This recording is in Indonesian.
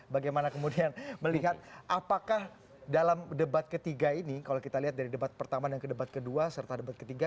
bagaimana kemudian melihat apakah dalam debat ketiga ini kalau kita lihat dari debat pertama dan ke debat kedua serta debat ketiga